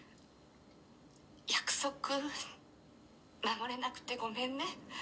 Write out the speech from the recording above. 「約束守れなくてごめんね」